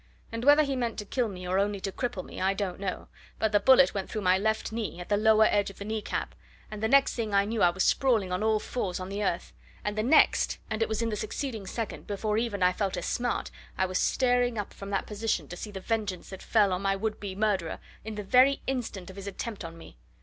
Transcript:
And whether he meant to kill me, or only to cripple me, I don't know; but the bullet went through my left knee, at the lower edge of the knee cap, and the next thing I knew I was sprawling on all fours on the earth, and the next and it was in the succeeding second, before even I felt a smart I was staring up from that position to see the vengeance that fell on my would be murderer in the very instant of his attempt on me.